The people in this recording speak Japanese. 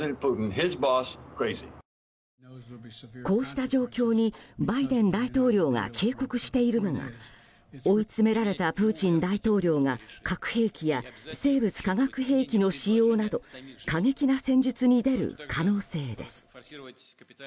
こうした状況にバイデン大統領が警告しているのが追い詰められたプーチン大統領が核兵器や生物・化学兵器の使用など過激な戦術に出る可能性です。